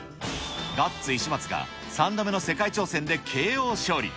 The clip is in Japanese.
ガッツ石松が３度目の世界挑戦でＫＯ勝利。